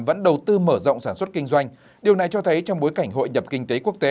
vẫn đầu tư mở rộng sản xuất kinh doanh điều này cho thấy trong bối cảnh hội nhập kinh tế quốc tế